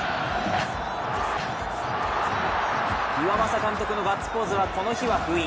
岩政監督のガッツポーズはこの日は封印。